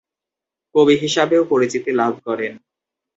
কবি হিসাবেও পরিচিতি লাভ করেন।